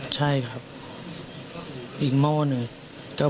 ซ้ำอีกครับ